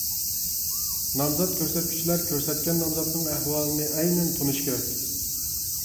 نامزات كۆرسەتكۈچىلەر كۆرسەتكەن نامزاتنىڭ ئەھۋالىنى ئەينەن تونۇشى كېرەك.